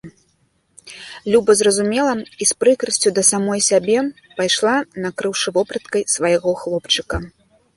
Люба зразумела і з прыкрасцю да самой сябе пайшла, накрыўшы вопраткай свайго хлопчыка.